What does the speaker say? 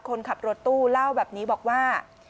คนขับรถตู้เล่าแบบนี้บอกว่า